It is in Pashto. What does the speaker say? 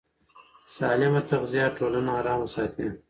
سالمه تغذیه ټولنه ارامه ساتي.